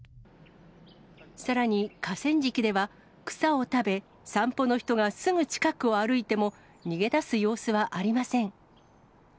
さらに河川敷では、草を食べ、散歩の人がすぐ近くを歩いても、逃げ出す様子はありません。